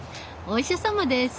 お医者様です。